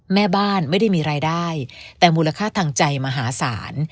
แม่บ้านไม่ได้มีรายได้แต่มูลค่าทางใจมหาศาล